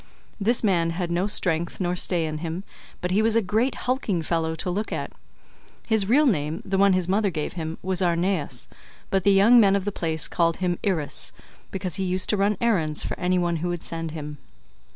This man had no strength nor stay in him, but he was a great hulking fellow to look at; his real name, the one his mother gave him, was Arnaeus, but the young men of the place called him Irus,148 because he used to run errands for any one who would send him.